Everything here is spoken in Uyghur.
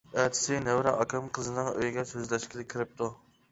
ئەتىسى نەۋرە ئاكام قىزنىڭ ئۆيىگە سۆزلەشكىلى كىرىپتۇ.